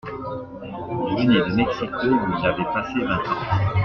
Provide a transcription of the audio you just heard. Il venait de Mexico où il avait passé vingt ans.